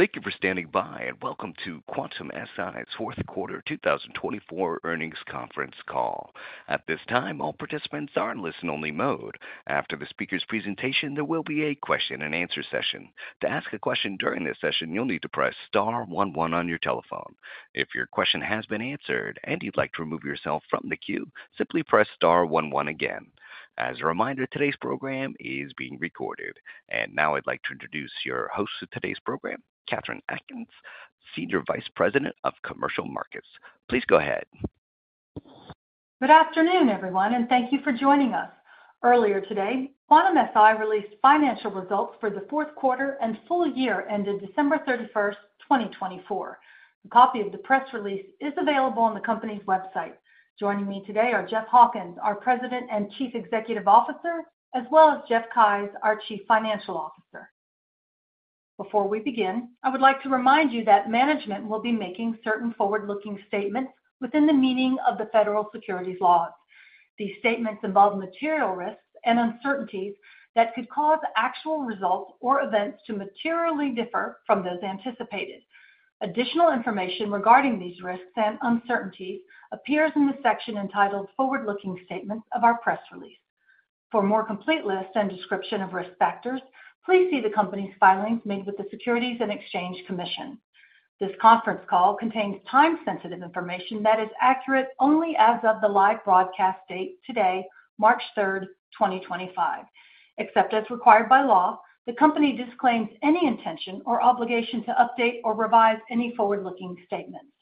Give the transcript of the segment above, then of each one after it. Thank you for standing by, and welcome to Quantum-Si's fourth quarter 2024 earnings conference call. At this time, all participants are in listen-only mode. After the speaker's presentation, there will be a question-and-answer session. To ask a question during this session, you'll need to press star 11 on your telephone. If your question has been answered and you'd like to remove yourself from the queue, simply press star 11 again. As a reminder, today's program is being recorded. Now I'd like to introduce your host for today's program, Katherine Atkinson, Senior Vice President of Commercial Markets. Please go ahead. Good afternoon, everyone, and thank you for joining us. Earlier today, Quantum-Si released financial results for the fourth quarter, and full year ended December 31, 2024. A copy of the press release is available on the company's website. Joining me today are Jeff Hawkins, our President and Chief Executive Officer, as well as Jeff Keyes, our Chief Financial Officer. Before we begin, I would like to remind you that management will be making certain forward-looking statements within the meaning of the federal securities laws. These statements involve material risks and uncertainties that could cause actual results or events to materially differ from those anticipated. Additional information regarding these risks and uncertainties appears in the section entitled Forward-Looking Statements of our press release. For a more complete list and description of risk factors, please see the company's filings made with the Securities and Exchange Commission. This conference call contains time-sensitive information that is accurate only as of the live broadcast date today, March 3rd, 2025. Except as required by law, the company disclaims any intention or obligation to update or revise any forward-looking statements.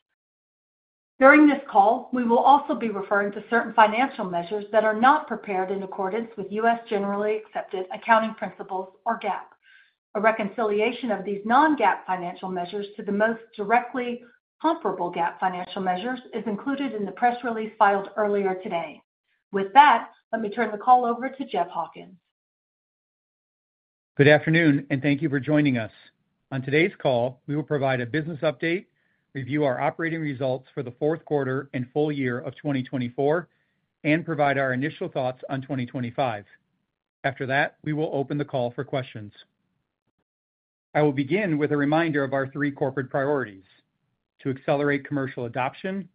During this call, we will also be referring to certain financial measures that are not prepared in accordance with U.S. generally accepted accounting principles or GAAP. A reconciliation of these non-GAAP financial measures to the most directly comparable GAAP financial measures is included in the press release filed earlier today. With that, let me turn the call over to Jeff Hawkins. Good afternoon, and thank you for joining us. On today's call, we will provide a business update, review our operating results for the fourth quarter and full year of 2024, and provide our initial thoughts on 2025. After that, we will open the call for questions. I will begin with a reminder of our three corporate priorities: to accelerate commercial adoption,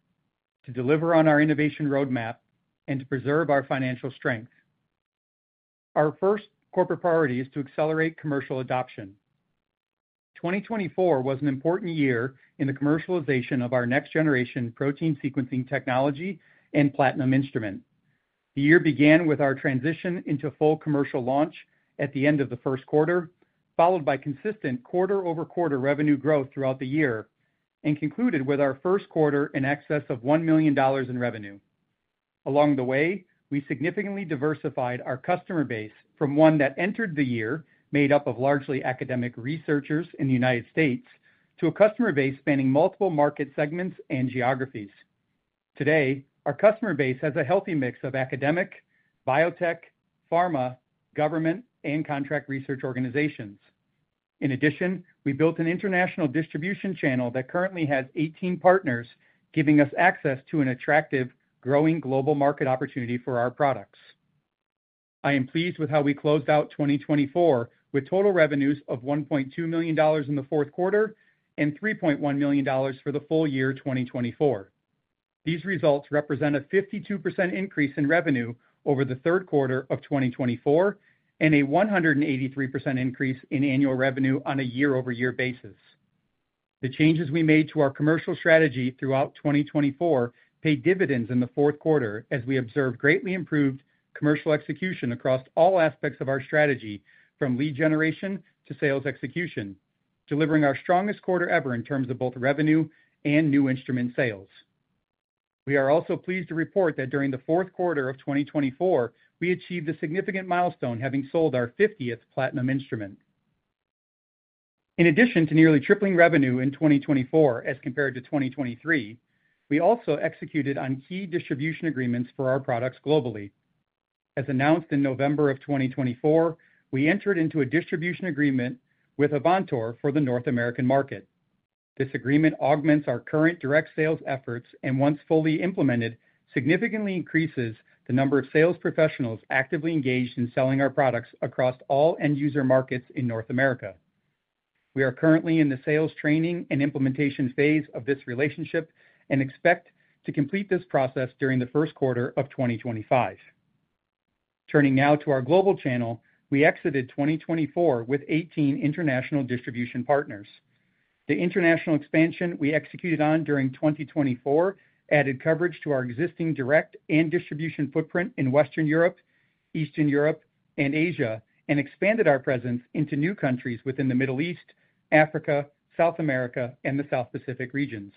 to deliver on our innovation roadmap, and to preserve our financial strength. Our first corporate priority is to accelerate commercial adoption. 2024 was an important year in the commercialization of our next-generation protein sequencing technology and Platinum instrument. The year began with our transition into full commercial launch at the end of the first quarter, followed by consistent quarter-over-quarter revenue growth throughout the year, and concluded with our first quarter in excess of $1 million in revenue. Along the way, we significantly diversified our customer base from one that entered the year, made up of largely academic researchers in the United States, to a customer base spanning multiple market segments and geographies. Today, our customer base has a healthy mix of academic, biotech, pharma, government, and contract research organizations. In addition, we built an international distribution channel that currently has 18 partners, giving us access to an attractive, growing global market opportunity for our products. I am pleased with how we closed out 2024 with total revenues of $1.2 million in the fourth quarter and $3.1 million for the full year 2024. These results represent a 52% increase in revenue over the third quarter of 2024 and a 183% increase in annual revenue on a year-over-year basis. The changes we made to our commercial strategy throughout 2024 paid dividends in the fourth quarter as we observed greatly improved commercial execution across all aspects of our strategy, from lead generation to sales execution, delivering our strongest quarter ever in terms of both revenue and new instrument sales. We are also pleased to report that during the fourth quarter of 2024, we achieved a significant milestone, having sold our 50th Platinum instrument. In addition to nearly tripling revenue in 2024 as compared to 2023, we also executed on key distribution agreements for our products globally. As announced in November of 2024, we entered into a distribution agreement with Avantor for the North American market. This agreement augments our current direct sales efforts and, once fully implemented, significantly increases the number of sales professionals actively engaged in selling our products across all end-user markets in North America. We are currently in the sales training and implementation phase of this relationship and expect to complete this process during the first quarter of 2025. Turning now to our global channel, we exited 2024 with 18 international distribution partners. The international expansion we executed on during 2024 added coverage to our existing direct and distribution footprint in Western Europe, Eastern Europe, and Asia, and expanded our presence into new countries within the Middle East, Africa, South America, and the South Pacific regions.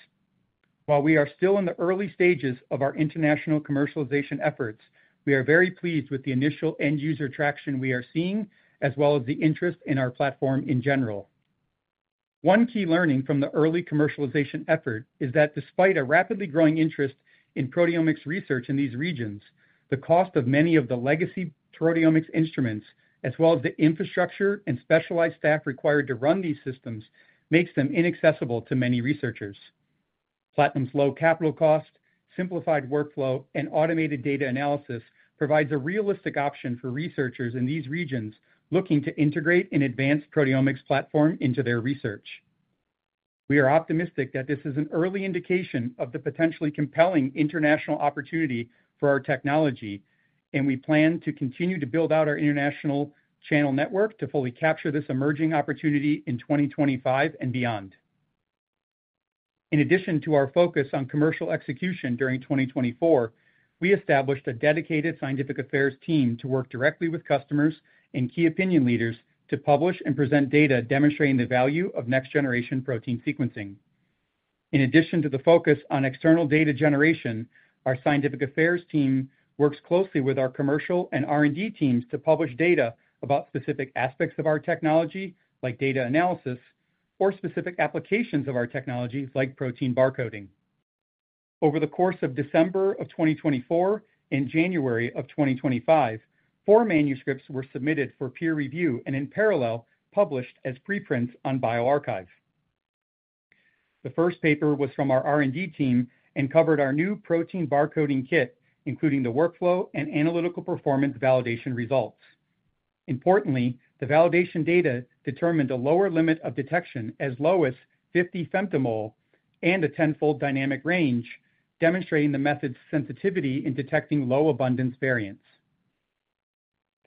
While we are still in the early stages of our international commercialization efforts, we are very pleased with the initial end-user traction we are seeing, as well as the interest in our platform in general. One key learning from the early commercialization effort is that despite a rapidly growing interest in proteomics research in these regions, the cost of many of the legacy proteomics instruments, as well as the infrastructure and specialized staff required to run these systems, makes them inaccessible to many researchers. Platinum's low capital cost, simplified workflow, and automated data analysis provide a realistic option for researchers in these regions looking to integrate an advanced proteomics platform into their research. We are optimistic that this is an early indication of the potentially compelling international opportunity for our technology, and we plan to continue to build out our international channel network to fully capture this emerging opportunity in 2025 and beyond. In addition to our focus on commercial execution during 2024, we established a dedicated scientific affairs team to work directly with customers and key opinion leaders to publish and present data demonstrating the value of next-generation protein sequencing. In addition to the focus on external data generation, our scientific affairs team works closely with our commercial and R&D teams to publish data about specific aspects of our technology, like data analysis, or specific applications of our technology, like protein barcoding. Over the course of December of 2024 and January of 2025, four manuscripts were submitted for peer review and, in parallel, published as preprints on bioRxiv. The first paper was from our R&D team and covered our new protein barcoding kit, including the workflow and analytical performance validation results. Importantly, the validation data determined a lower limit of detection as low as 50 femtomole and a tenfold dynamic range, demonstrating the method's sensitivity in detecting low abundance variants.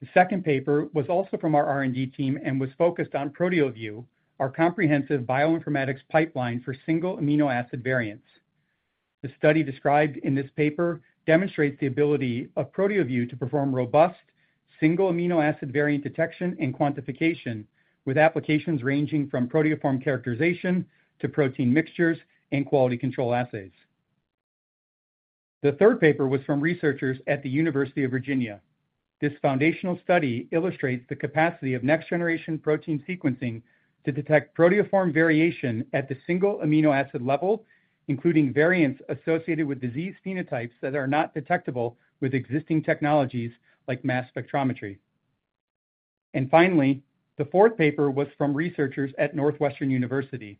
The second paper was also from our R&D team and was focused on Proteoview, our comprehensive bioinformatics pipeline for single amino acid variants. The study described in this paper demonstrates the ability of Proteoview to perform robust single amino acid variant detection and quantification, with applications ranging from proteoform characterization to protein mixtures and quality control assays. The third paper was from researchers at the University of Virginia. This foundational study illustrates the capacity of next-generation protein sequencing to detect proteoform variation at the single amino acid level, including variants associated with disease phenotypes that are not detectable with existing technologies like mass spectrometry. Finally, the fourth paper was from researchers at Northwestern University.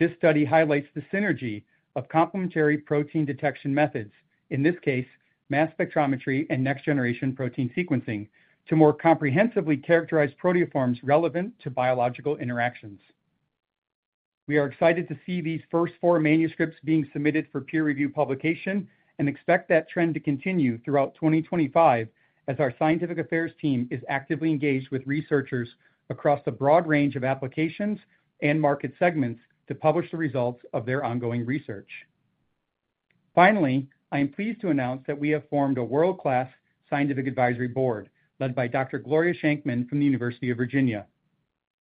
This study highlights the synergy of complementary protein detection methods, in this case, mass spectrometry and next-generation protein sequencing, to more comprehensively characterize proteoforms relevant to biological interactions. We are excited to see these first four manuscripts being submitted for peer review publication and expect that trend to continue throughout 2025, as our scientific affairs team is actively engaged with researchers across a broad range of applications and market segments to publish the results of their ongoing research. Finally, I am pleased to announce that we have formed a world-class scientific advisory board led by Dr. Gloria Sheynkman from the University of Virginia.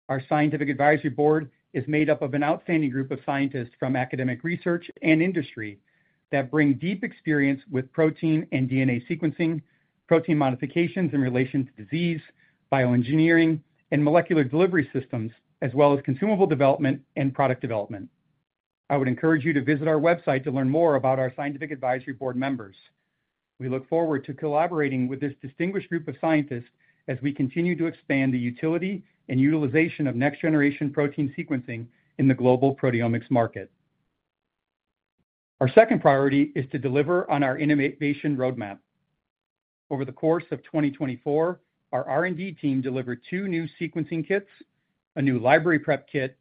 Our scientific advisory board is made up of an outstanding group of scientists from academic research and industry that bring deep experience with protein and DNA sequencing, protein modifications in relation to disease, bioengineering, and molecular delivery systems, as well as consumable development and product development. I would encourage you to visit our website to learn more about our scientific advisory board members. We look forward to collaborating with this distinguished group of scientists as we continue to expand the utility and utilization of next-generation protein sequencing in the global proteomics market. Our second priority is to deliver on our innovation roadmap. Over the course of 2024, our R&D team delivered two new sequencing kits, a new library prep kit,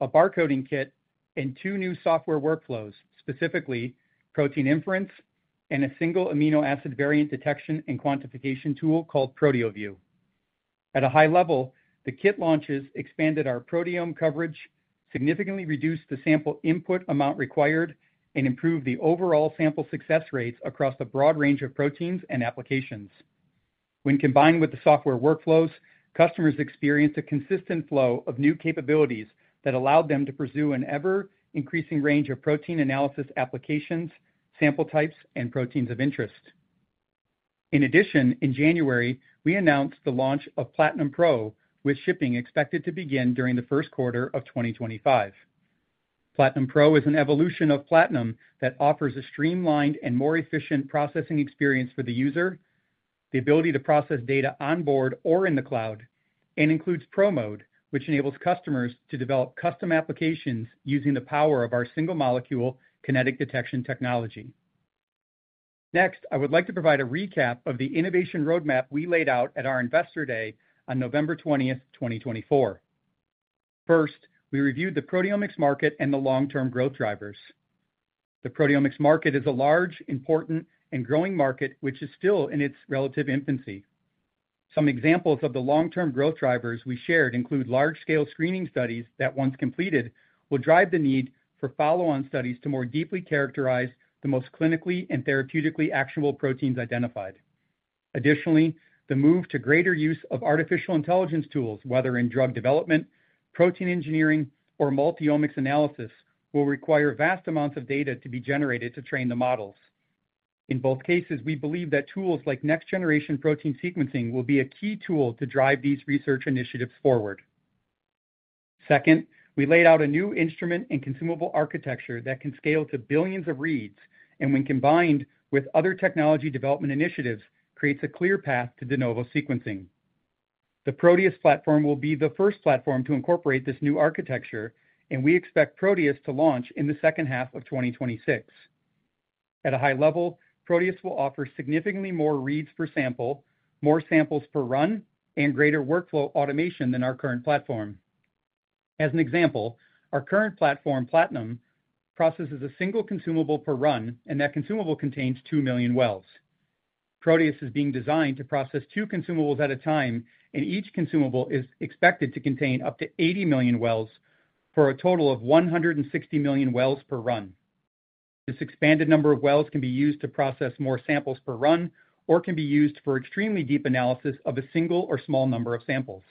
a barcoding kit, and two new software workflows, specifically protein inference and a single amino acid variant detection and quantification tool called Proteoview. At a high level, the kit launches expanded our proteome coverage, significantly reduced the sample input amount required, and improved the overall sample success rates across a broad range of proteins and applications. When combined with the software workflows, customers experienced a consistent flow of new capabilities that allowed them to pursue an ever-increasing range of protein analysis applications, sample types, and proteins of interest. In addition, in January, we announced the launch of Platinum Pro, with shipping expected to begin during the first quarter of 2025. Platinum Pro is an evolution of Platinum that offers a streamlined and more efficient processing experience for the user, the ability to process data onboard or in the cloud, and includes Pro mode, which enables customers to develop custom applications using the power of our single molecule kinetic detection technology. Next, I would like to provide a recap of the innovation roadmap we laid out at our investor day on November 20th, 2024. First, we reviewed the proteomics market and the long-term growth drivers. The proteomics market is a large, important, and growing market, which is still in its relative infancy. Some examples of the long-term growth drivers we shared include large-scale screening studies that, once completed, will drive the need for follow-on studies to more deeply characterize the most clinically and therapeutically actionable proteins identified. Additionally, the move to greater use of artificial intelligence tools, whether in drug development, protein engineering, or multi-omics analysis, will require vast amounts of data to be generated to train the models. In both cases, we believe that tools like next-generation protein sequencing will be a key tool to drive these research initiatives forward. Second, we laid out a new instrument and consumable architecture that can scale to billions of reads, and when combined with other technology development initiatives, creates a clear path to de novo sequencing. The Proteus platform will be the first platform to incorporate this new architecture, and we expect Proteus to launch in the second half of 2026. At a high level, Proteus will offer significantly more reads per sample, more samples per run, and greater workflow automation than our current platform. As an example, our current platform, Platinum, processes a single consumable per run, and that consumable contains 2 million wells. Proteus is being designed to process two consumables at a time, and each consumable is expected to contain up to 80 million wells for a total of 160 million wells per run. This expanded number of wells can be used to process more samples per run or can be used for extremely deep analysis of a single or small number of samples.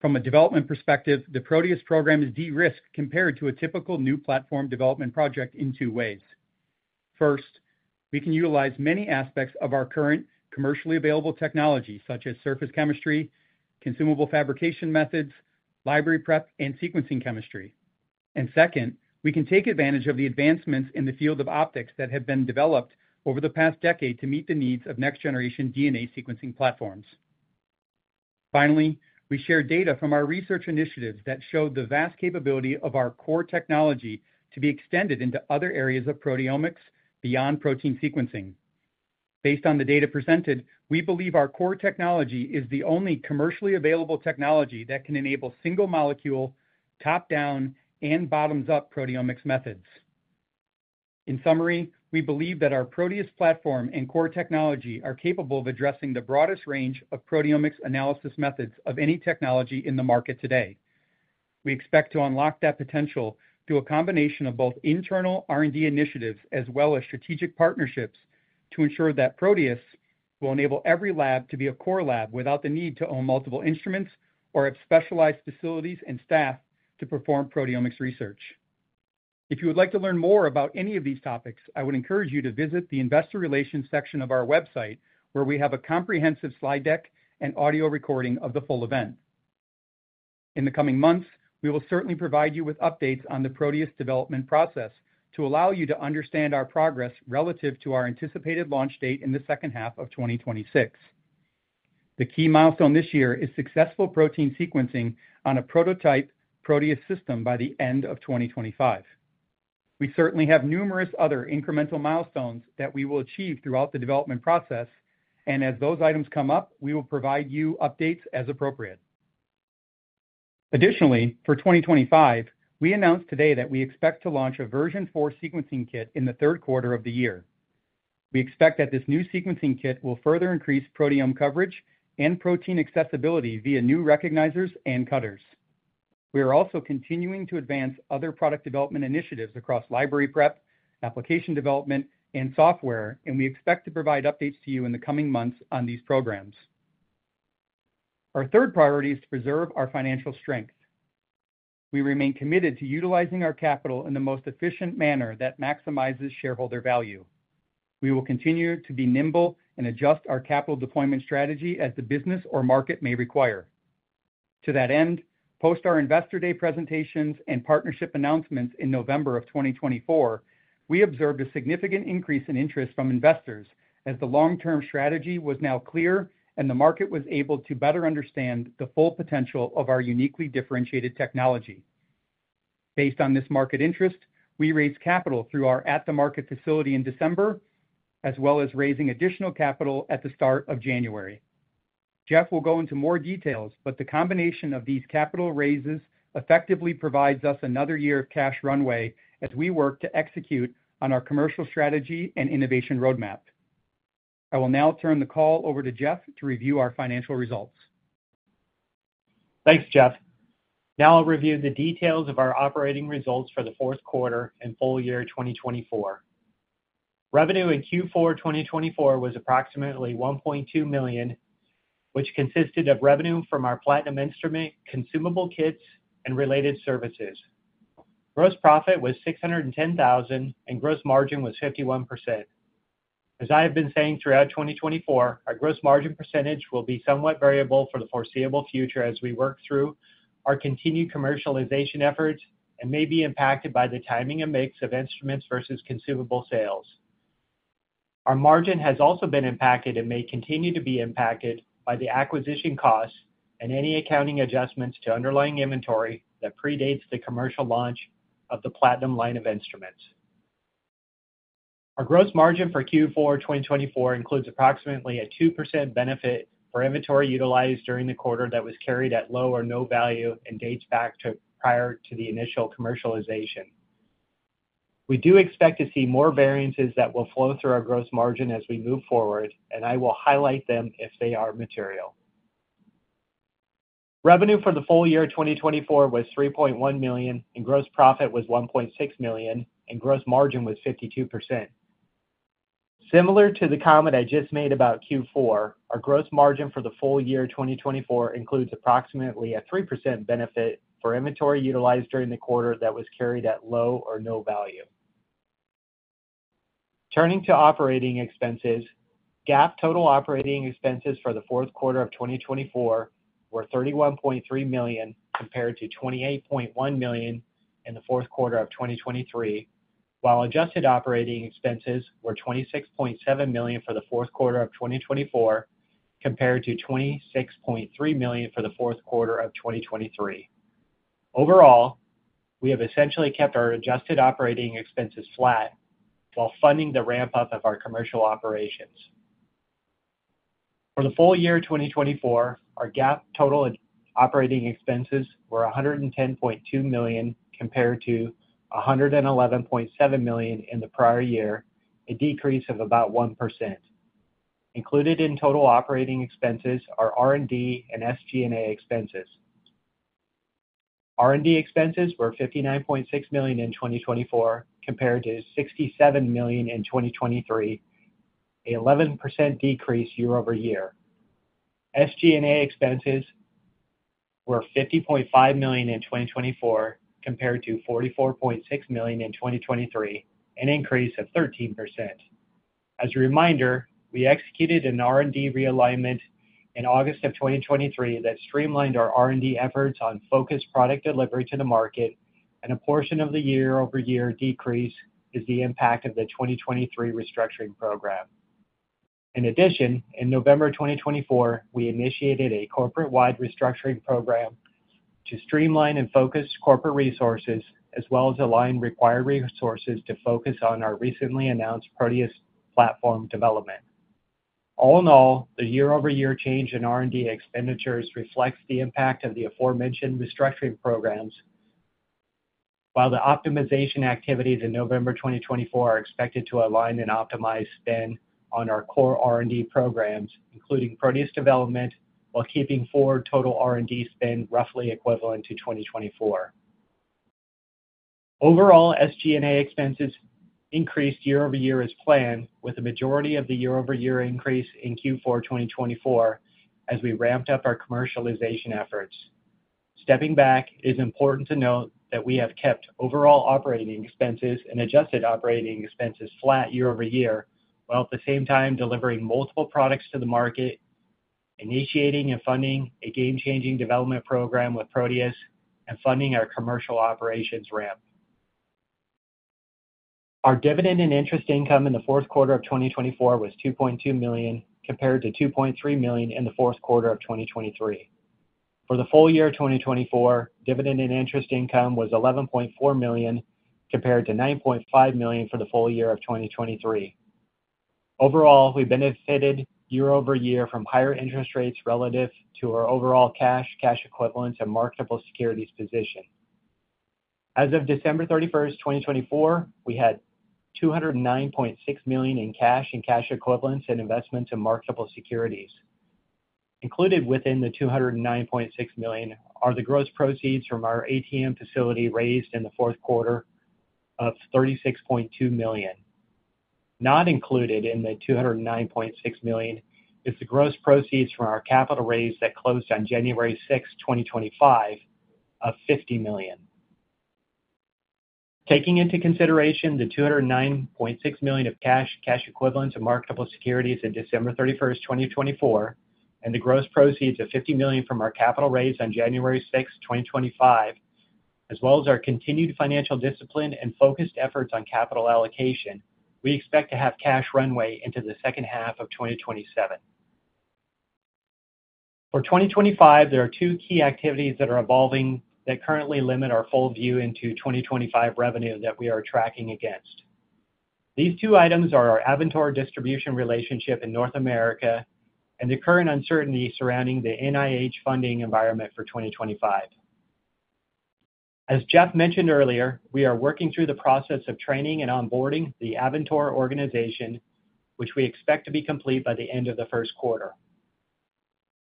From a development perspective, the Proteus program is de-risked compared to a typical new platform development project in two ways. First, we can utilize many aspects of our current commercially available technology, such as surface chemistry, consumable fabrication methods, library prep, and sequencing chemistry. Second, we can take advantage of the advancements in the field of optics that have been developed over the past decade to meet the needs of next-generation DNA sequencing platforms. Finally, we share data from our research initiatives that show the vast capability of our core technology to be extended into other areas of proteomics beyond protein sequencing. Based on the data presented, we believe our core technology is the only commercially available technology that can enable single molecule, top-down, and bottoms-up proteomics methods. In summary, we believe that our Proteus platform and core technology are capable of addressing the broadest range of proteomics analysis methods of any technology in the market today. We expect to unlock that potential through a combination of both internal R&D initiatives as well as strategic partnerships to ensure that Proteus will enable every lab to be a core lab without the need to own multiple instruments or have specialized facilities and staff to perform proteomics research. If you would like to learn more about any of these topics, I would encourage you to visit the investor relations section of our website, where we have a comprehensive slide deck and audio recording of the full event. In the coming months, we will certainly provide you with updates on the Proteus development process to allow you to understand our progress relative to our anticipated launch date in the second half of 2026. The key milestone this year is successful protein sequencing on a prototype Proteus system by the end of 2025. We certainly have numerous other incremental milestones that we will achieve throughout the development process, and as those items come up, we will provide you updates as appropriate. Additionally, for 2025, we announced today that we expect to launch a version 4 Sequencing Kit in the third quarter of the year. We expect that this new Sequencing Kit will further increase proteome coverage and protein accessibility via new recognizers and cutters. We are also continuing to advance other product development initiatives across library prep, application development, and software, and we expect to provide updates to you in the coming months on these programs. Our third priority is to preserve our financial strength. We remain committed to utilizing our capital in the most efficient manner that maximizes shareholder value. We will continue to be nimble and adjust our capital deployment strategy as the business or market may require. To that end, post our investor day presentations and partnership announcements in November of 2024, we observed a significant increase in interest from investors as the long-term strategy was now clear and the market was able to better understand the full potential of our uniquely differentiated technology. Based on this market interest, we raised capital through our at-the-market facility in December, as well as raising additional capital at the start of January. Jeff will go into more details, but the combination of these capital raises effectively provides us another year of cash runway as we work to execute on our commercial strategy and innovation roadmap. I will now turn the call over to Jeff to review our financial results. Thanks, Jeff. Now I'll review the details of our operating results for the fourth quarter and full year 2024. Revenue in Q4 2024 was approximately $1.2 million, which consisted of revenue from our Platinum instrument consumable kits and related services. Gross profit was $610,000, and gross margin was 51%. As I have been saying throughout 2024, our gross margin percentage will be somewhat variable for the foreseeable future as we work through our continued commercialization efforts and may be impacted by the timing and mix of instruments versus consumable sales. Our margin has also been impacted and may continue to be impacted by the acquisition costs and any accounting adjustments to underlying inventory that predates the commercial launch of the Platinum line of instruments. Our gross margin for Q4 2024 includes approximately a 2% benefit for inventory utilized during the quarter that was carried at low or no value and dates back to prior to the initial commercialization. We do expect to see more variances that will flow through our gross margin as we move forward, and I will highlight them if they are material. Revenue for the full year 2024 was $3.1 million, and gross profit was $1.6 million, and gross margin was 52%. Similar to the comment I just made about Q4, our gross margin for the full year 2024 includes approximately a 3% benefit for inventory utilized during the quarter that was carried at low or no value. Turning to operating expenses, GAAP total operating expenses for the fourth quarter of 2024 were $31.3 million compared to $28.1 million in the fourth quarter of 2023, while adjusted operating expenses were $26.7 million for the fourth quarter of 2024 compared to $26.3 million for the fourth quarter of 2023. Overall, we have essentially kept our adjusted operating expenses flat while funding the ramp-up of our commercial operations. For the full year 2024, our GAAP total operating expenses were $110.2 million compared to $111.7 million in the prior year, a decrease of about 1%. Included in total operating expenses are R&D and SG&A expenses. R&D expenses were $59.6 million in 2024 compared to $67 million in 2023, an 11% decrease year over year. SG&A expenses were $50.5 million in 2024 compared to $44.6 million in 2023, an increase of 13%. As a reminder, we executed an R&D realignment in August of 2023 that streamlined our R&D efforts on focused product delivery to the market, and a portion of the year-over-year decrease is the impact of the 2023 restructuring program. In addition, in November 2024, we initiated a corporate-wide restructuring program to streamline and focus corporate resources, as well as align required resources to focus on our recently announced Proteus platform development. All in all, the year-over-year change in R&D expenditures reflects the impact of the aforementioned restructuring programs, while the optimization activities in November 2024 are expected to align and optimize spend on our core R&D programs, including Proteus development, while keeping forward total R&D spend roughly equivalent to 2024. Overall, SG&A expenses increased year-over-year as planned, with a majority of the year-over-year increase in Q4 2024 as we ramped up our commercialization efforts. Stepping back, it is important to note that we have kept overall operating expenses and adjusted operating expenses flat year-over-year, while at the same time delivering multiple products to the market, initiating and funding a game-changing development program with Proteus and funding our commercial operations ramp. Our dividend and interest income in the fourth quarter of 2024 was $2.2 million compared to $2.3 million in the fourth quarter of 2023. For the full year 2024, dividend and interest income was $11.4 million compared to $9.5 million for the full year of 2023. Overall, we benefited year-over-year from higher interest rates relative to our overall cash, cash equivalents, and marketable securities position. As of December 31, 2024, we had $209.6 million in cash and cash equivalents and investments in marketable securities. Included within the $209.6 million are the gross proceeds from our ATM facility raised in the fourth quarter of $36.2 million. Not included in the $209.6 million is the gross proceeds from our capital raise that closed on January 6, 2025, of $50 million. Taking into consideration the $209.6 million of cash, cash equivalents, and marketable securities on December 31, 2024, and the gross proceeds of $50 million from our capital raise on January 6, 2025, as well as our continued financial discipline and focused efforts on capital allocation, we expect to have cash runway into the second half of 2027. For 2025, there are two key activities that are evolving that currently limit our full view into 2025 revenue that we are tracking against. These two items are our Avantor distribution relationship in North America and the current uncertainty surrounding the NIH funding environment for 2025. As Jeff mentioned earlier, we are working through the process of training and onboarding the Avantor organization, which we expect to be complete by the end of the first quarter.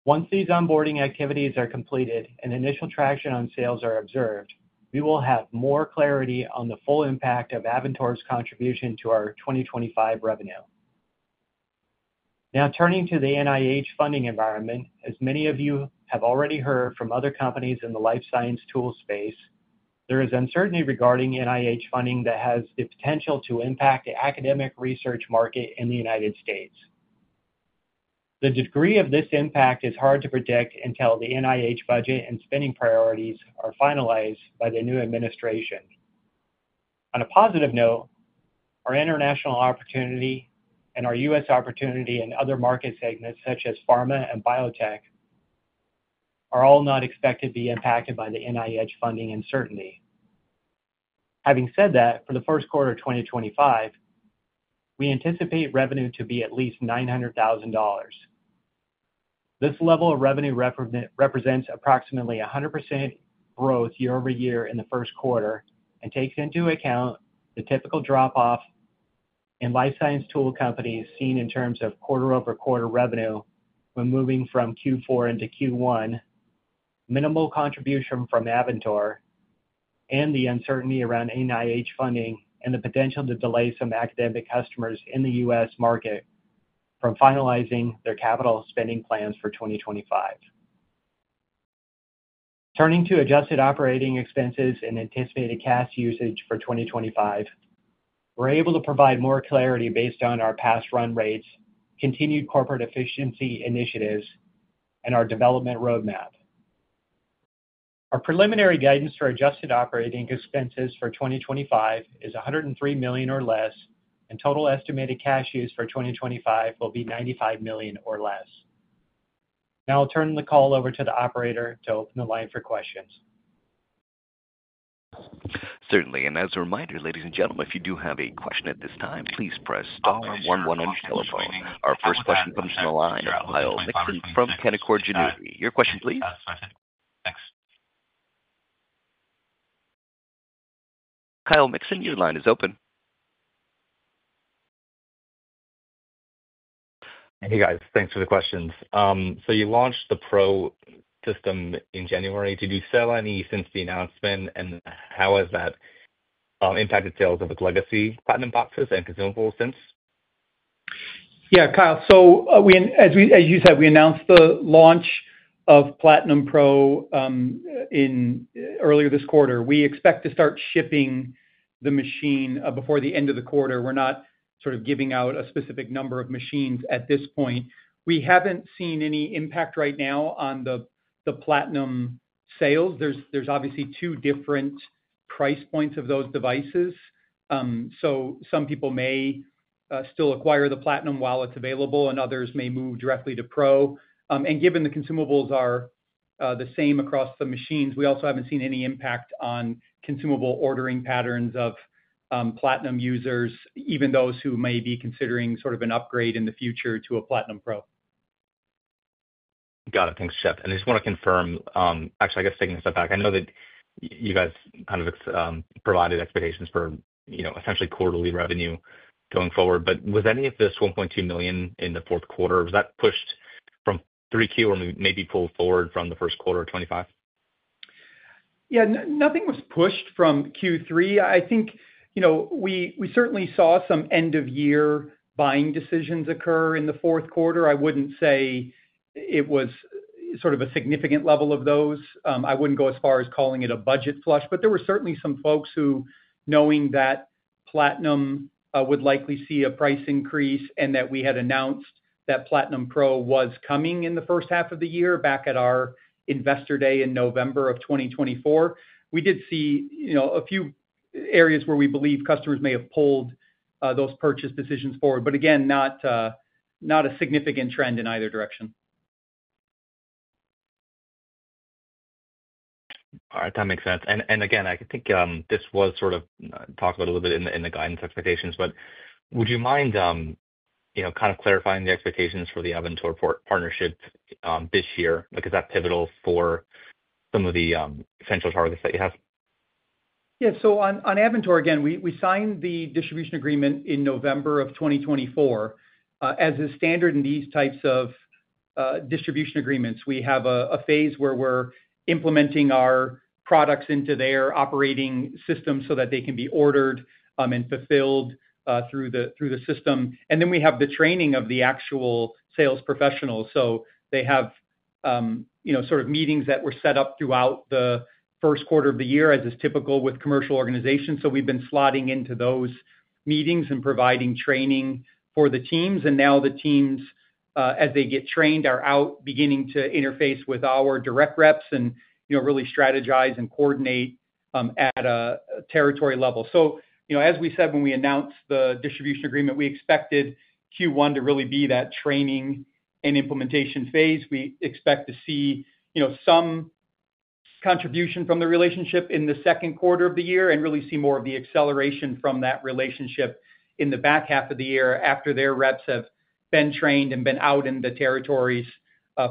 Once these onboarding activities are completed and initial traction on sales are observed, we will have more clarity on the full impact of Avantor's contribution to our 2025 revenue. Now, turning to the NIH funding environment, as many of you have already heard from other companies in the life science tool space, there is uncertainty regarding NIH funding that has the potential to impact the academic research market in the U.S. The degree of this impact is hard to predict until the NIH budget and spending priorities are finalized by the new administration. On a positive note, our international opportunity and our U.S. opportunity in other market segments, such as pharma and biotech, are all not expected to be impacted by the NIH funding uncertainty. Having said that, for the first quarter of 2025, we anticipate revenue to be at least $900,000. This level of revenue represents approximately 100% growth year-over-year in the first quarter and takes into account the typical drop-off in life science tool companies seen in terms of quarter-over-quarter revenue when moving from Q4 into Q1, minimal contribution from Avantor, and the uncertainty around NIH funding and the potential to delay some academic customers in the U.S. market from finalizing their capital spending plans for 2025. Turning to adjusted operating expenses and anticipated cash usage for 2025, we're able to provide more clarity based on our past run rates, continued corporate efficiency initiatives, and our development roadmap. Our preliminary guidance for adjusted operating expenses for 2025 is $103 million or less, and total estimated cash use for 2025 will be $95 million or less. Now I'll turn the call over to the operator to open the line for questions. Certainly. As a reminder, ladies and gentlemen, if you do have a question at this time, please press star 11 on your telephone. Our first question comes from the line of Kyle Mikson from Canaccord Genuity. Your question, please. Thanks. Kyle Mikson, your line is open. Hey, guys. Thanks for the questions. You launched the Pro system in January. Did you sell any since the announcement, and how has that impacted sales of its legacy Platinum and consumables since? Yeah, Kyle. As you said, we announced the launch of Platinum Pro earlier this quarter. We expect to start shipping the machine before the end of the quarter. We're not sort of giving out a specific number of machines at this point. We haven't seen any impact right now on the Platinum sales. There are obviously two different price points of those devices. Some people may still acquire the Platinum while it's available, and others may move directly to Pro. Given the consumables are the same across the machines, we also haven't seen any impact on consumable ordering patterns of Platinum users, even those who may be considering sort of an upgrade in the future to a Platinum Pro. Got it. Thanks, Jeff. I just want to confirm, actually, I guess taking a step back, I know that you guys kind of provided expectations for essentially quarterly revenue going forward, but was any of this $1.2 million in the fourth quarter? Was that pushed from Q3 or maybe pulled forward from the first quarter of 2025? Nothing was pushed from Q3. I think we certainly saw some end-of-year buying decisions occur in the fourth quarter. I wouldn't say it was sort of a significant level of those. I wouldn't go as far as calling it a budget flush, but there were certainly some folks who, knowing that Platinum would likely see a price increase and that we had announced that Platinum Pro was coming in the first half of the year back at our investor day in November of 2024, we did see a few areas where we believe customers may have pulled those purchase decisions forward, but again, not a significant trend in either direction. All right. That makes sense. I think this was sort of talked about a little bit in the guidance expectations, but would you mind kind of clarifying the expectations for the Avantor partnership this year? Is that pivotal for some of the essential targets that you have? Yeah. On Avantor, again, we signed the distribution agreement in November of 2024. As is standard in these types of distribution agreements, we have a phase where we're implementing our products into their operating system so that they can be ordered and fulfilled through the system. We have the training of the actual sales professionals. They have sort of meetings that were set up throughout the first quarter of the year, as is typical with commercial organizations. We have been slotting into those meetings and providing training for the teams. Now the teams, as they get trained, are out beginning to interface with our direct reps and really strategize and coordinate at a territory level. As we said when we announced the distribution agreement, we expected Q1 to really be that training and implementation phase. We expect to see some contribution from the relationship in the second quarter of the year and really see more of the acceleration from that relationship in the back half of the year after their reps have been trained and been out in the territories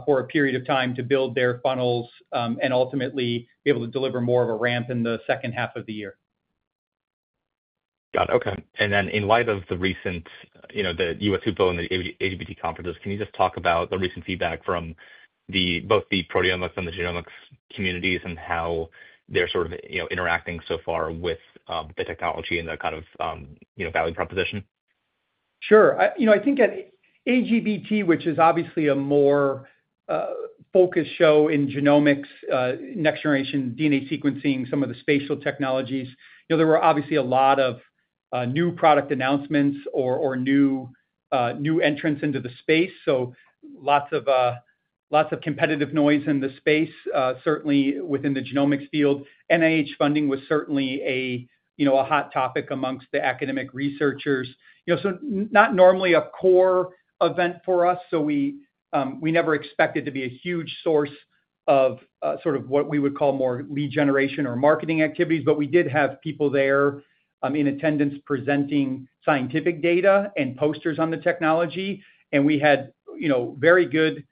for a period of time to build their funnels and ultimately be able to deliver more of a ramp in the second half of the year. Got it. Okay. In light of the recent US HUPO and the AWD conferences, can you just talk about the recent feedback from both the proteomics and the genomics communities and how they're sort of interacting so far with the technology and the kind of value proposition? Sure. I think at AGBT, which is obviously a more focused show in genomics, next-generation DNA sequencing, some of the spatial technologies, there were obviously a lot of new product announcements or new entrants into the space. Lots of competitive noise in the space, certainly within the genomics field. NIH funding was certainly a hot topic amongst the academic researchers. Not normally a core event for us. We never expected to be a huge source of sort of what we would call more lead generation or marketing activities, but we did have people there in attendance presenting scientific data and posters on the technology. We had very good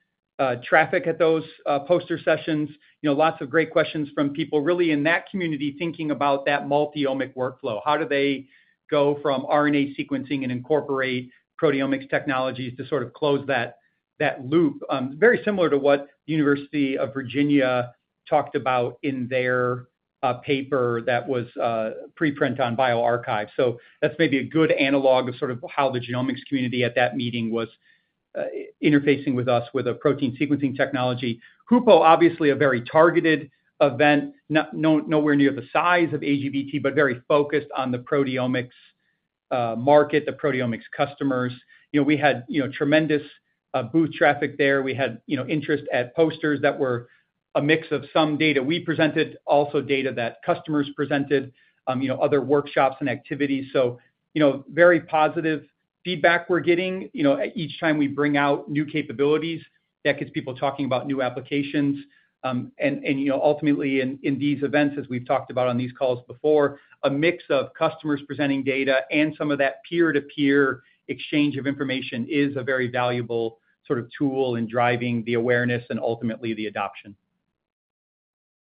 traffic at those poster sessions. Lots of great questions from people really in that community thinking about that multi-omic workflow. How do they go from RNA sequencing and incorporate proteomics technologies to sort of close that loop? Very similar to what the University of Virginia talked about in their paper that was preprint on BioRxiv. That is maybe a good analog of sort of how the genomics community at that meeting was interfacing with us with a protein sequencing technology. HUPO, obviously a very targeted event, nowhere near the size of AGBT, but very focused on the proteomics market, the proteomics customers. We had tremendous booth traffic there. We had interest at posters that were a mix of some data we presented, also data that customers presented, other workshops and activities. Very positive feedback we are getting each time we bring out new capabilities that gets people talking about new applications. Ultimately, in these events, as we've talked about on these calls before, a mix of customers presenting data and some of that peer-to-peer exchange of information is a very valuable sort of tool in driving the awareness and ultimately the adoption.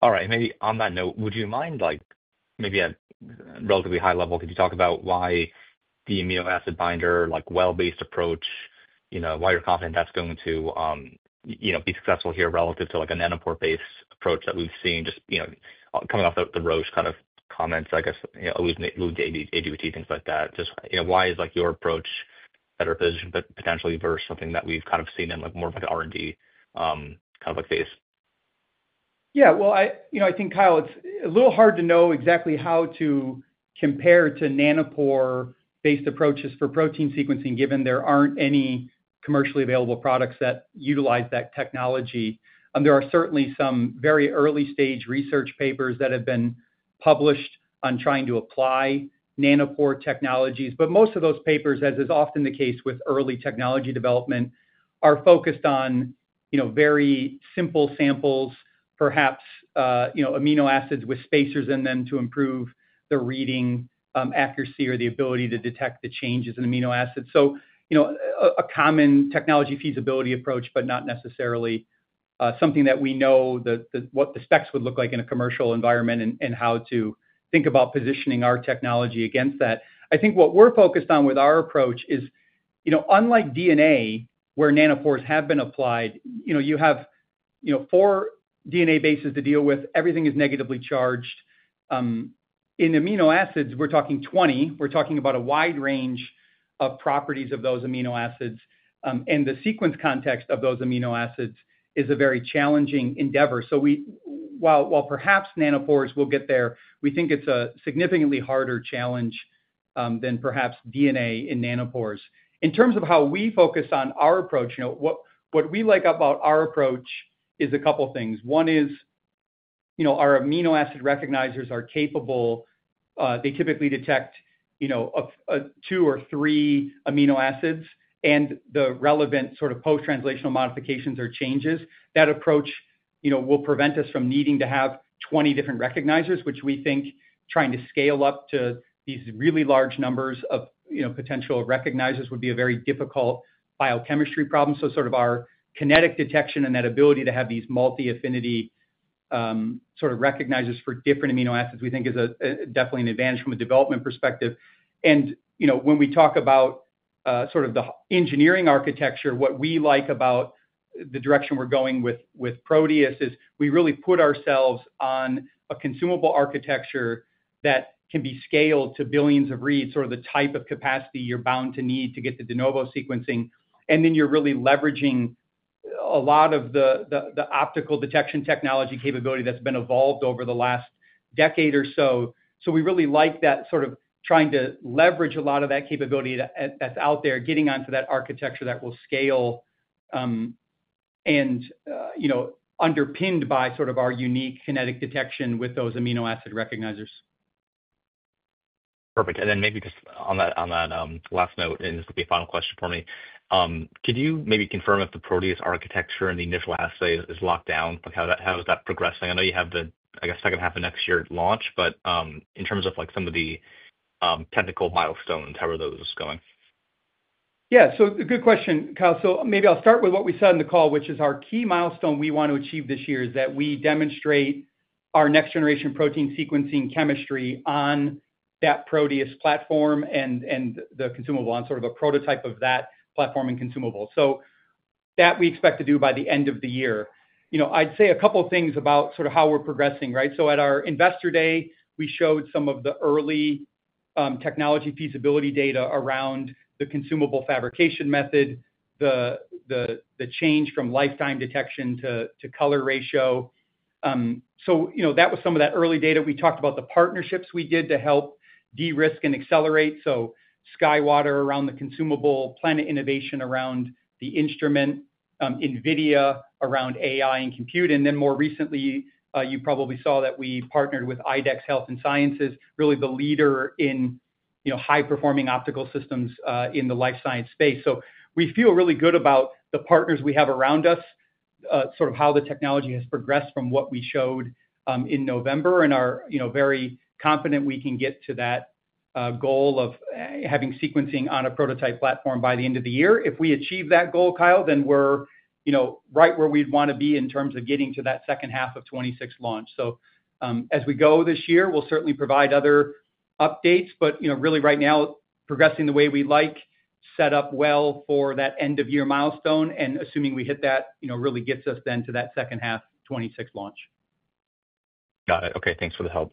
All right. Maybe on that note, would you mind maybe at a relatively high level, could you talk about why the amino acid binder, like well-based approach, why you're confident that's going to be successful here relative to a nanopore-based approach that we've seen just coming off the Roche kind of comments, I guess, AWT, things like that? Just why is your approach better positioned potentially versus something that we've kind of seen in more of like an R&D kind of phase? Yeah. I think, Kyle, it's a little hard to know exactly how to compare to nanopore-based approaches for protein sequencing, given there aren't any commercially available products that utilize that technology. There are certainly some very early-stage research papers that have been published on trying to apply nanopore technologies. Most of those papers, as is often the case with early technology development, are focused on very simple samples, perhaps amino acids with spacers in them to improve the reading accuracy or the ability to detect the changes in amino acids. A common technology feasibility approach, but not necessarily something that we know what the specs would look like in a commercial environment and how to think about positioning our technology against that. I think what we're focused on with our approach is, unlike DNA, where nanopores have been applied, you have four DNA bases to deal with. Everything is negatively charged. In amino acids, we're talking 20. We're talking about a wide range of properties of those amino acids. The sequence context of those amino acids is a very challenging endeavor. While perhaps nanopores will get there, we think it's a significantly harder challenge than perhaps DNA in nanopores. In terms of how we focus on our approach, what we like about our approach is a couple of things. One is our amino acid recognizers are capable. They typically detect two or three amino acids, and the relevant sort of post-translational modifications or changes. That approach will prevent us from needing to have 20 different recognizers, which we think trying to scale up to these really large numbers of potential recognizers would be a very difficult biochemistry problem. Our kinetic detection and that ability to have these multi-affinity sort of recognizers for different amino acids, we think is definitely an advantage from a development perspective. When we talk about sort of the engineering architecture, what we like about the direction we're going with Proteus is we really put ourselves on a consumable architecture that can be scaled to billions of reads, sort of the type of capacity you're bound to need to get the de novo sequencing. You're really leveraging a lot of the optical detection technology capability that's been evolved over the last decade or so. We really like that, trying to leverage a lot of that capability that's out there, getting onto that architecture that will scale and underpinned by our unique kinetic detection with those amino acid recognizers. Perfect. Maybe just on that last note, and this will be a final question for me, could you maybe confirm if the Proteus architecture and the initial assay is locked down? How is that progressing? I know you have the, I guess, second half of next year launch, but in terms of some of the technical milestones, how are those going? Yeah. Good question, Kyle. Maybe I'll start with what we said in the call, which is our key milestone we want to achieve this year is that we demonstrate our next-generation protein sequencing chemistry on that Proteus platform and the consumable on sort of a prototype of that platform and consumable. That we expect to do by the end of the year. I'd say a couple of things about sort of how we're progressing, right? At our investor day, we showed some of the early technology feasibility data around the consumable fabrication method, the change from lifetime detection to color ratio. That was some of that early data. We talked about the partnerships we did to help de-risk and accelerate. SkyWater around the consumable, Planet Innovation around the instrument, NVIDIA around AI and compute. More recently, you probably saw that we partnered with IDEX Health & Science, really the leader in high-performing optical systems in the life science space. We feel really good about the partners we have around us, sort of how the technology has progressed from what we showed in November. We are very confident we can get to that goal of having sequencing on a prototype platform by the end of the year. If we achieve that goal, Kyle, then we're right where we'd want to be in terms of getting to that second half of 2026 launch. As we go this year, we'll certainly provide other updates, but really right now, progressing the way we like, set up well for that end-of-year milestone. Assuming we hit that, really gets us then to that second half 2026 launch. Got it. Okay. Thanks for the help,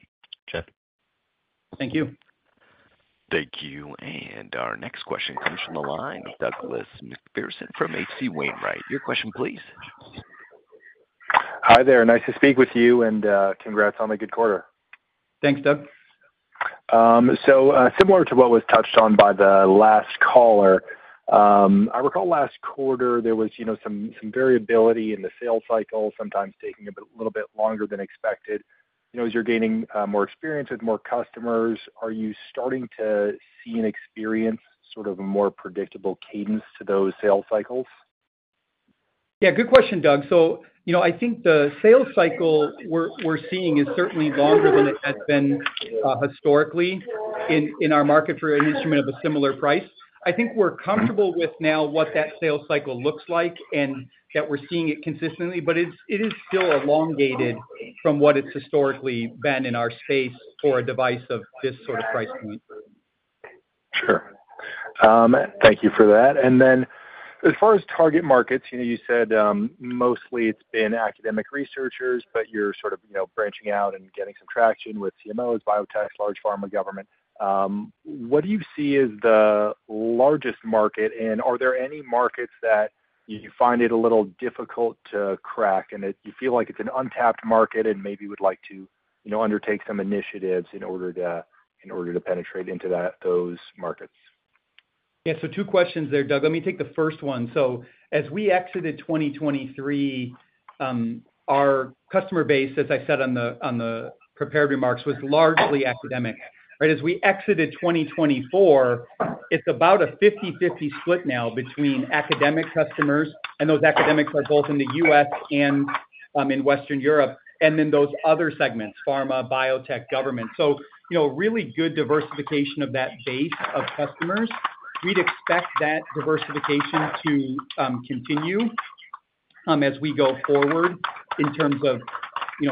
Jeff. Thank you. Thank you. Our next question comes from the line, Douglas MacPherson from HC Wainwright. Your question, please. Hi there. Nice to speak with you and congrats on the good quarter. Thanks, Doug. Similar to what was touched on by the last caller, I recall last quarter there was some variability in the sales cycle, sometimes taking a little bit longer than expected. As you're gaining more experience with more customers, are you starting to see and experience sort of a more predictable cadence to those sales cycles? Yeah. Good question, Doug. I think the sales cycle we're seeing is certainly longer than it has been historically in our market for an instrument of a similar price. I think we're comfortable with now what that sales cycle looks like and that we're seeing it consistently, but it is still elongated from what it's historically been in our space for a device of this sort of price point. Sure. Thank you for that. As far as target markets, you said mostly it's been academic researchers, but you're sort of branching out and getting some traction with CMOs, biotech, large pharma, government. What do you see as the largest market? Are there any markets that you find it a little difficult to crack? You feel like it's an untapped market and maybe would like to undertake some initiatives in order to penetrate into those markets? Yeah. Two questions there, Doug. Let me take the first one. As we exited 2023, our customer base, as I said on the prepared remarks, was largely academic. Right? As we exited 2024, it's about a 50/50 split now between academic customers, and those academics are both in the U.S. and in Western Europe, and then those other segments, pharma, biotech, government. Really good diversification of that base of customers. We'd expect that diversification to continue as we go forward in terms of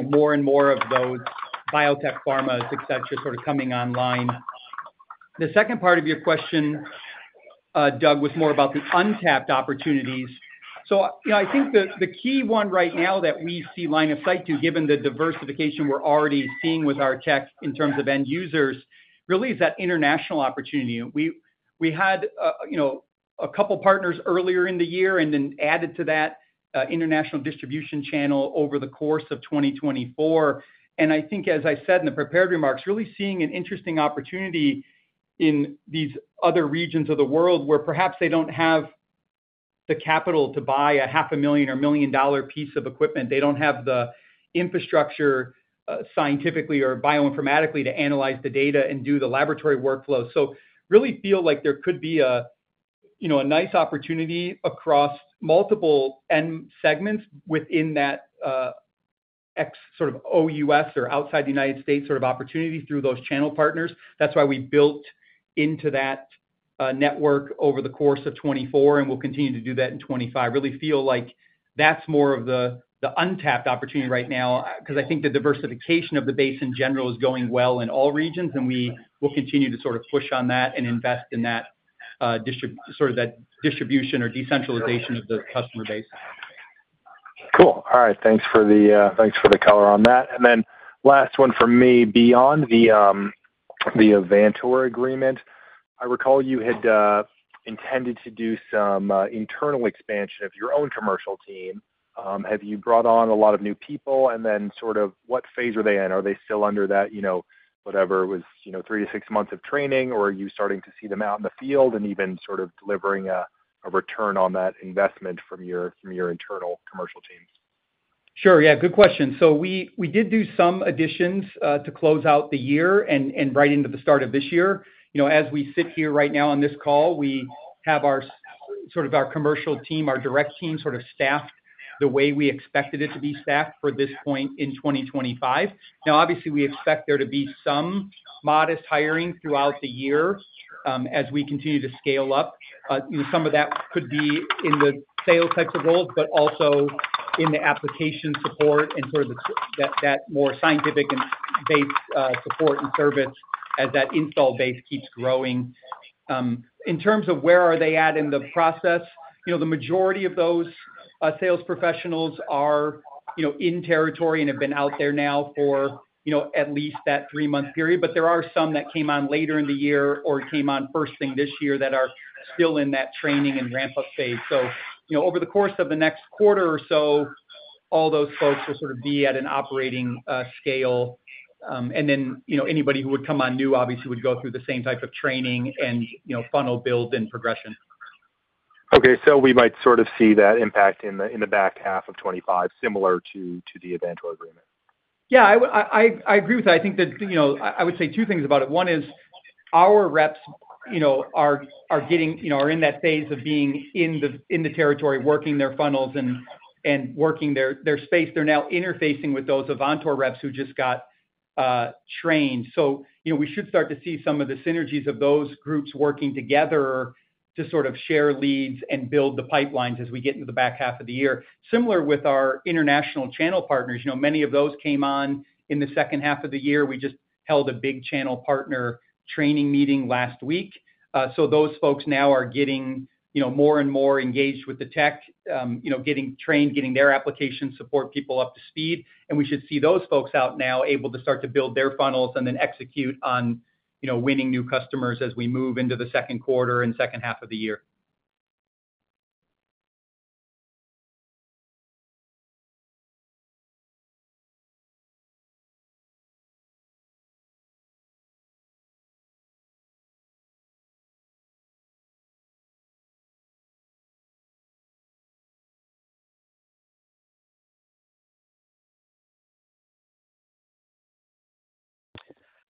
more and more of those biotech, pharma, etc., sort of coming online. The second part of your question, Doug, was more about the untapped opportunities. I think the key one right now that we see line of sight to, given the diversification we're already seeing with our tech in terms of end users, really is that international opportunity. We had a couple of partners earlier in the year and then added to that international distribution channel over the course of 2024. I think, as I said in the prepared remarks, really seeing an interesting opportunity in these other regions of the world where perhaps they do not have the capital to buy a $500,000 or $1,000,000 piece of equipment. They do not have the infrastructure scientifically or bioinformatically to analyze the data and do the laboratory workflow. I really feel like there could be a nice opportunity across multiple end segments within that sort of OUS or outside the United States sort of opportunity through those channel partners. That's why we built into that network over the course of 2024 and will continue to do that in 2025. Really feel like that's more of the untapped opportunity right now because I think the diversification of the base in general is going well in all regions, and we will continue to sort of push on that and invest in sort of that distribution or decentralization of the customer base. Cool. All right. Thanks for the color on that. Last one for me, beyond the Avantor agreement, I recall you had intended to do some internal expansion of your own commercial team. Have you brought on a lot of new people? What phase are they in? Are they still under that, whatever, it was three to six months of training, or are you starting to see them out in the field and even sort of delivering a return on that investment from your internal commercial teams? Sure. Yeah. Good question. We did do some additions to close out the year and right into the start of this year. As we sit here right now on this call, we have sort of our commercial team, our direct team sort of staffed the way we expected it to be staffed for this point in 2025. Now, obviously, we expect there to be some modest hiring throughout the year as we continue to scale up. Some of that could be in the sales types of roles, but also in the application support and sort of that more scientific and base support and service as that install base keeps growing. In terms of where are they at in the process, the majority of those sales professionals are in territory and have been out there now for at least that three-month period. There are some that came on later in the year or came on first thing this year that are still in that training and ramp-up phase. Over the course of the next quarter or so, all those folks will sort of be at an operating scale. Anybody who would come on new, obviously, would go through the same type of training and funnel build and progression. Okay. We might sort of see that impact in the back half of 2025, similar to the Avantor agreement. Yeah. I agree with that. I think that I would say two things about it. One is our reps are in that phase of being in the territory, working their funnels and working their space. They're now interfacing with those Avantor reps who just got trained. We should start to see some of the synergies of those groups working together to sort of share leads and build the pipelines as we get into the back half of the year. Similar with our international channel partners, many of those came on in the second half of the year. We just held a big channel partner training meeting last week. Those folks now are getting more and more engaged with the tech, getting trained, getting their application support people up to speed. We should see those folks out now able to start to build their funnels and then execute on winning new customers as we move into the second quarter and second half of the year.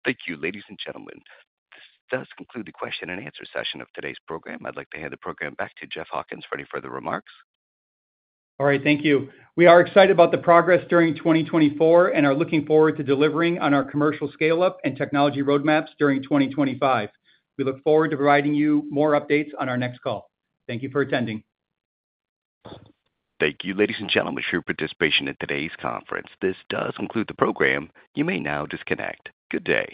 Thank you, ladies and gentlemen. This does conclude the question and answer session of today's program. I'd like to hand the program back to Jeff Hawkins for any further remarks. All right. Thank you. We are excited about the progress during 2024 and are looking forward to delivering on our commercial scale-up and technology roadmaps during 2025. We look forward to providing you more updates on our next call. Thank you for attending. Thank you, ladies and gentlemen, for your participation in today's conference. This does conclude the program. You may now disconnect. Good day.